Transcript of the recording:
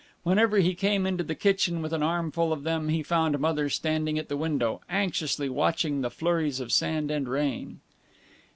Whenever he came into the kitchen with an armful of them he found Mother standing at the window, anxiously watching the flurries of sand and rain.